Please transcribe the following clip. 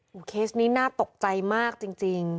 โอ้โหเคสนี้น่าตกใจมากจริง